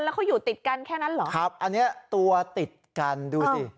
แล้วเขาอยู่ติดกันแค่นั้นเหรอครับอันนี้ตัวติดกันดูสิ